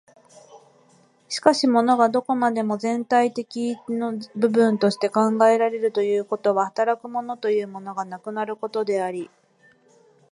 しかし物がどこまでも全体的一の部分として考えられるということは、働く物というものがなくなることであり、